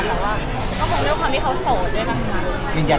แต่ว่าก็คงด้วยความที่เขาโสดด้วยนะคะ